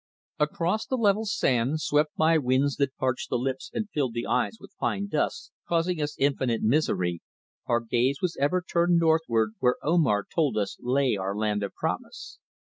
Across the level sand, swept by winds that parched the lips and filled the eyes with fine dust, causing us infinite misery, our gaze was ever turned northward where Omar told us lay our land of promise.